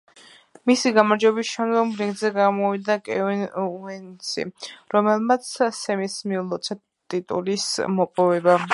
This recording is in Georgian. მისი გამარჯვების შემდგომ რინგზე გამოვიდა კევინ ოუენსი, რომელმაც სემის მიულოცა ტიტულის მოპოვება.